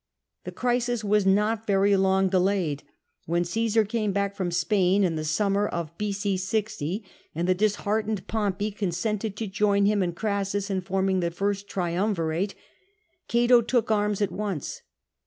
The crisis was not very long delayed; when Caesar came back from Spain in the summer of B.c. 6o, and the disheartened Pompey consented to join him and Orassus in forming the First Triumvirate," Cato took arms at once.